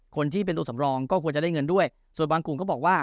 คนที่เป็นตัวสำรองก็ควรจะได้เงินด้วยส่วนบางกลุ่มก็บอกว่า